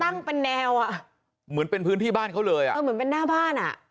ตั้งเป็นแนวอ่ะเหมือนเป็นพื้นที่บ้านเขาเลยอ่ะเออเหมือนเป็นหน้าบ้านอ่ะ